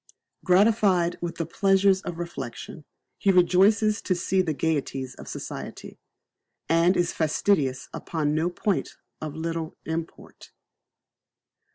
Gratified with the pleasures of reflection, he rejoices to see the gaieties of society, and is fastidious upon no point of little import.